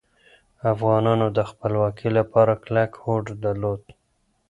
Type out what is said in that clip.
افغانانو د خپلواکۍ لپاره کلک هوډ درلود.